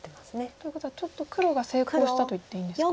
ということはちょっと黒が成功したと言っていいんですか？